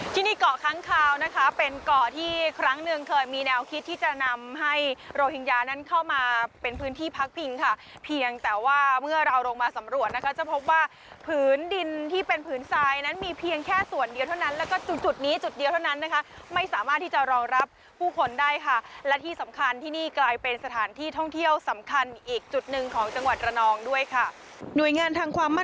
ที่นี่ก่อครั้งคราวนะคะเป็นก่อที่ครั้งหนึ่งเคยมีแนวคิดที่จะนำให้โรฮิงญานั้นเข้ามาเป็นพื้นที่พักพิงค่ะเพียงแต่ว่าเมื่อเราลงมาสำรวจนะคะจะพบว่าผืนดินที่เป็นผืนทรายนั้นมีเพียงแค่ส่วนเดียวเท่านั้นแล้วก็จุดนี้จุดเดียวเท่านั้นนะคะไม่สามารถที่จะรองรับผู้คนได้ค่ะและที่สำคัญที่นี่กลายเป็นสถานที่ท